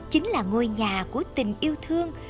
chính là ngôi nhà của tình yêu thương